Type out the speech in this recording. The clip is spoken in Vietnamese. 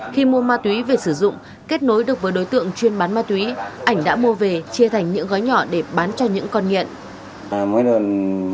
khi mua ma túy về sử dụng kết nối được với đối tượng chuyên bán ma túy ảnh đã mua về chia thành những gói nhỏ để bán cho những con nghiện